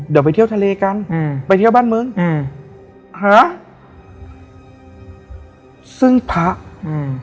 เดี๋ยวไปเที่ยวทะเลกันอืมไปเที่ยวบ้านมึงอืมฮะซึ่งพระอืม